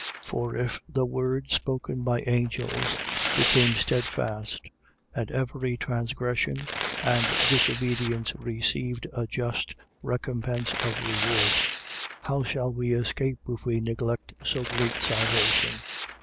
2:2. For if the word spoken by angels became steadfast and every transgression and disobedience received a just recompense of reward: 2:3. How shall we escape if we neglect so great salvation?